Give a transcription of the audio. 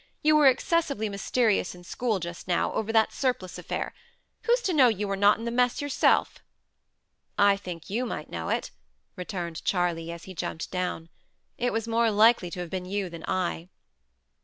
You were excessively mysterious in school, just now, over that surplice affair. Who's to know you were not in the mess yourself?" "I think you might know it," returned Charley, as he jumped down. "It was more likely to have been you than I."